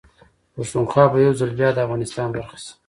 پښتونخوا به يوځل بيا ده افغانستان برخه شي